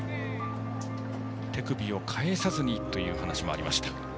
手首を返さずにという話もありました。